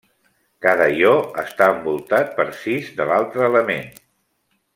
Cada ió està envoltat per sis de l'altre element.